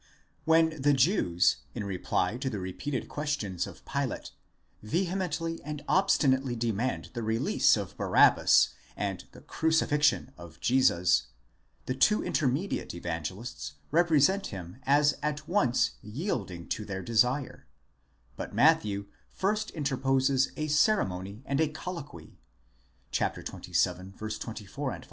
When the Jews, in reply to the repeated questions of Pilate, vehemently and obstinately demand the release of Barabbas and the crucifixion of Jesus, the two intermediate Evangelists represent him as at once yielding to their desire ; but Matthew first interposes a ceremony and a colloquy (xxvii. 24 ff.).